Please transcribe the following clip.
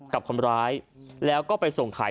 กับคนร้ายแล้วก็ไปส่งขาย